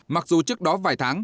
mặc dù trước đó vài tháng